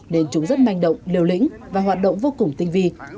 nên chúng rất manh động liều lĩnh và hoạt động vô cùng tinh vi